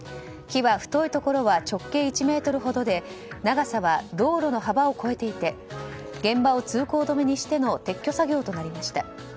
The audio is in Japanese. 木は太いところは直径１ｍほどで長さは道路の幅を越えていて現場を通行止めにしての撤去作業となりました。